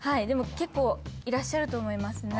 でも結構いらっしゃると思います